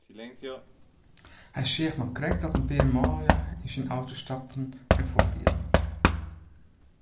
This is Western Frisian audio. Hy seach noch krekt dat in pear manlju yn syn auto stapten en fuortrieden.